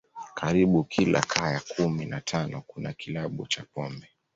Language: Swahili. Karibu kila kaya kumi na tano kuna kilabu cha pombe